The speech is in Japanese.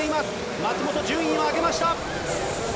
松元、順位を上げました。